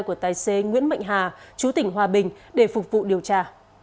của tài xế nguyễn mạnh hà chú tỉnh hòa bình để phục vụ điều tra